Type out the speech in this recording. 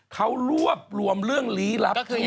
เขารวบรวมเรื่องลี้ลับทั้งหมด